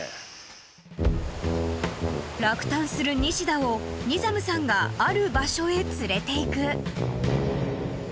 ［落胆するニシダをニザムさんがある場所へ連れていく］